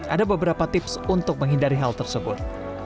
ada beberapa tips untuk menghindari hal tersebut